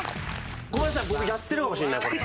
ごめんなさい僕やってるかもしれないこれ。